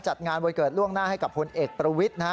จัดงานวันเกิดล่วงหน้าให้กับพลเอกประวิทย์นะฮะ